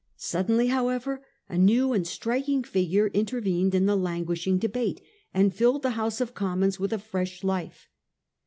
Suddenly, however, a new and striking figure intervened in the languishing debate, and filled the House of Commons with a fresh life.